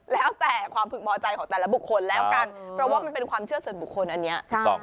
แล้วแต่ความพึกพอใจของแต่ละบุคคลแล้วกันเพราะว่ามันเป็นความเชื่อส่วนบุคคลอันนี้